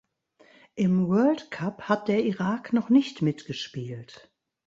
Im World Cup hat der Irak noch nicht mitgespielt.